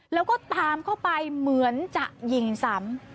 แล้วก็ตามเข้าไปเหมือนจะยิงซ้ำ